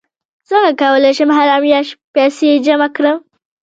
څنګه کولی شم هره میاشت پیسې جمع کړم